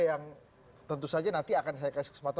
yang tentu saja nanti akan saya kasih kesempatan